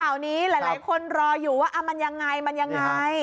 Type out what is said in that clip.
ข่าวนี้หลายคนรออยู่ว่ามันยังไง